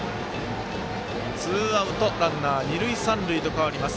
ツーアウト、ランナー、二塁三塁と変わります